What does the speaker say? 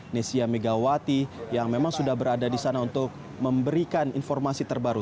nesya megawati yang memang sudah berada di sana untuk memberikan informasi terbaru